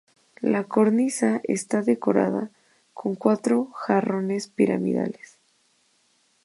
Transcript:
La cornisa está decorada con cuatro jarrones piramidales.